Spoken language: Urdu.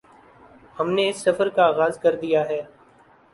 ہم نے اس سفر کا آغاز کردیا ہے